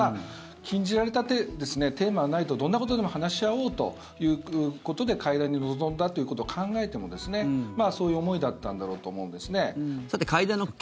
禁じられたテーマがないとどんなことでも話し合おうということで会談に臨んだということを考えてもそういう思いだったんだと思いますね。